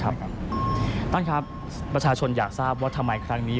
ท่านครับประชาชนอยากทราบว่าทำไมครั้งนี้